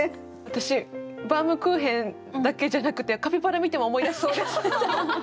私バウムクーヘンだけじゃなくてカピバラ見ても思い出しそうです。